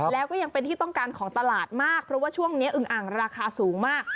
แล้วก็ยังเป็นที่ต้องการของตลาดมากเพราะว่าช่วงนี้อึงอ่างราคาสูงมาก